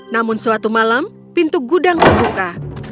namun suatu malam pintu gudang terbuka